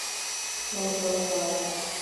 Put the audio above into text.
উগ্র হয় না।